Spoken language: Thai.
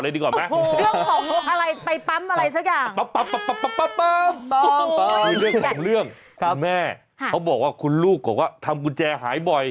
โทษนะครับพี่ผิดด่อรถหน้าเซเว่นนะครับ